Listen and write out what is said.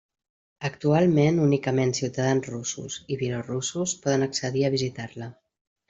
Actualment únicament ciutadans russos i bielorussos poden accedir a visitar-la.